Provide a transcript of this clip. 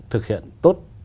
thực hiện tốt